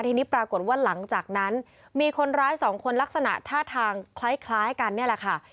ทีนี้ปรากฏว่าหลังจากนั้นมีคนร้ายสองคนลักษณะท่าทางคล้ายกันนี่แหละค่ะ